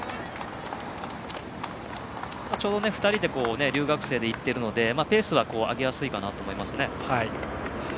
ちょうど２人で留学生で行っているのでペースは上げやすいかなと思いますね。